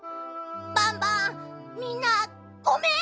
バンバンみんなごめん！